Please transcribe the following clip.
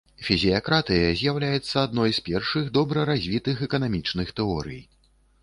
Фізіякратыя з'яўляецца адной з першых добра развітых эканамічных тэорый.